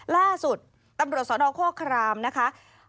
ล่าสุดตำรวจสอนออกโครครามนะคะ